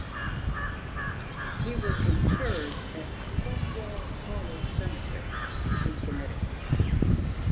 He was interred at Cornwall Hollow Cemetery in Connecticut.